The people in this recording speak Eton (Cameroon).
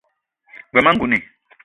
G-beu ma ngouni